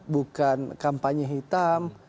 bukan kampanye hitam